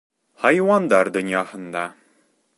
Хайуандар донъяһында